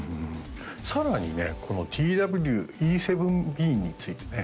さらにねこのＴＷ−Ｅ７Ｂについてね